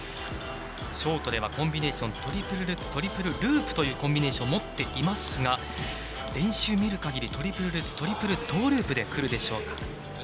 ショートではコンビネーショントリプルルッツトリプルループというコンビネーション持っていますが練習を見ているかぎりトリプルルッツトリプルトーループでくるでしょうか。